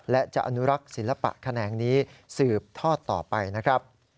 และจะอนุรักษ์ศิลปะแขนงนี้สืบทอดต่อไปนะครับ